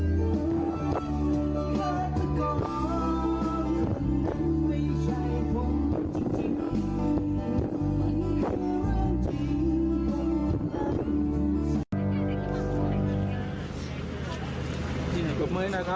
นี่อะไรสหายของตัวจรรยะแหละ